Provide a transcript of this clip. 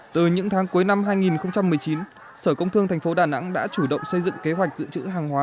từ những tháng cuối năm hai nghìn một mươi chín sở công thương tp đà nẵng đã chủ động xây dựng kế hoạch giữ chữ hàng hóa